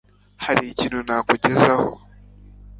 hari ikintu nakugezaho